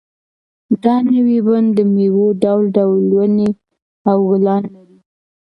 دا نوی بڼ د مېوو ډول ډول ونې او ګلان لري.